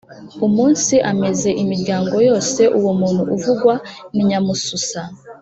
Umunsi ameza imiryango yose uwo muntu uvugwa ni Nyamususa.